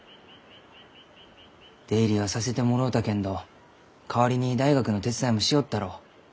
出入りはさせてもろうたけんど代わりに大学の手伝いもしよったろう。